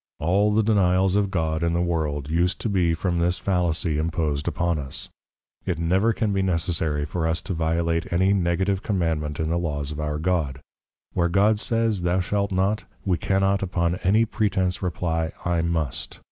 _ All the denials of God, in the world, use to be from this Fallacy impos'd upon us. It never can be necessary for us to violate any Negative Commandment in the Law of our God; where God says, thou shalt not, we cannot upon any pretence reply, I must.